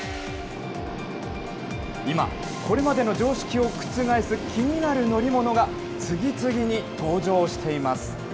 今、これまでの常識を覆す気になる乗り物が次々に登場しています。